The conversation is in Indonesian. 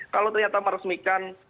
kalau ternyata meresmikan